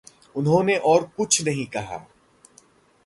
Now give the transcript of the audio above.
उन्होंने और कुछ नहीं कहा।